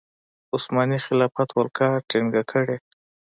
عثماني خلافت ولکه ټینګه کړي.